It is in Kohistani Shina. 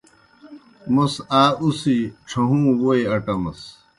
موْس آ اُڅِھجیْ ڇھہُوں ووئی اٹمِس۔